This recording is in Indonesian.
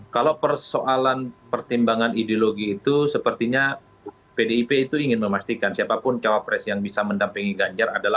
kalau persoalan pertimbangan ideologi itu sepertinya pdip itu ingin memastikan siapapun cawapres yang bisa mendampingi ganjar adalah